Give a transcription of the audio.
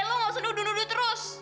kamu tidak perlu duduk duduk terus